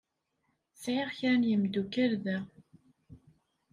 Sɛiɣ kra n yimeddukal da.